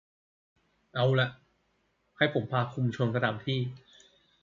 เอาละ ให้ผมพาคุณชมสถานที่